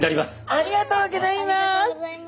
ありがとうございます。